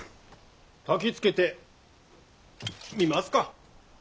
たきつけてみますか。